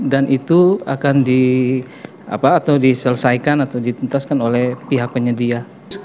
dan itu akan diselesaikan atau ditentaskan oleh pihak penyedia